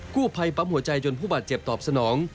กู้ภัยปั๊มหัวใจจนผู้บาดเจ็บตอบสนอง